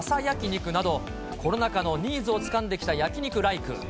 肉など、コロナ禍のニーズをつかんできた焼肉ライク。